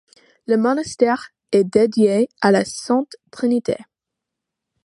Le monastère est dédié à la sainte Trinité.